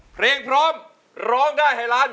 เพลงพร้อมร้องได้ให้ล้าน